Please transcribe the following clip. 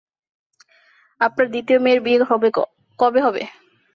আপনার দ্বিতীয় মেয়ের বিয়ে কবে হচ্ছে?